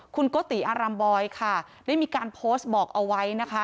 คุณโกติอารัมบอยค่ะได้มีการโพสต์บอกเอาไว้นะคะ